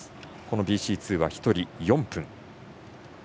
ＢＣ２は１人４分。